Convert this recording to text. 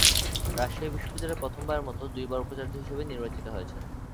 রাজশাহী বিশ্ববিদ্যালয়ে প্রথমবারের মত দুইবার উপাচার্য হিসেবে নির্বাচিত হয়েছেন।